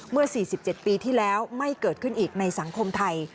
เมื่อ๔๗ปีที่แล้วไม่เกิดขึ้นอีกในสังคมไทย